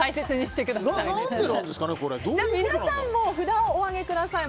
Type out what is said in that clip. じゃあ、皆さんも札をお上げください。